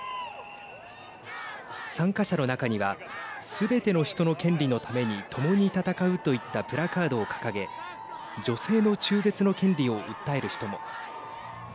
参加者の中にはすべての人の権利のために共に闘うといったプラカードを掲げ女性の中絶の権利を訴える人も。